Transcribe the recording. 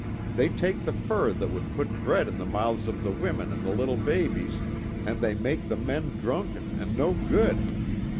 They take the fur that would put bread in the mouths of the women and the little babies, and they make the men drunken and no good.